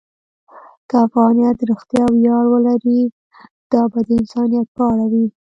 که افغانیت رښتیا ویاړ ولري، دا به د انسانیت په اړه وي.